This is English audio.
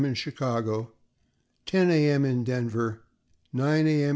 in Chicago, 10 A. M. in Denver and 9 A. M.